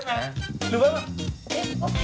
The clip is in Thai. หรือว่า